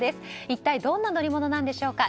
一体どんな乗り物なんでしょうか。